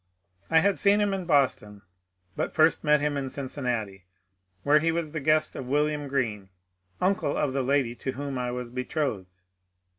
I had seen him in Boston, but first met him in Cincinnati, where he was the guest of William Greene, uncle of the lady to whom I was betrothed.